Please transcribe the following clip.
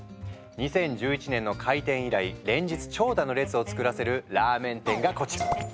２０１１年の開店以来連日長蛇の列を作らせるラーメン店がこちら。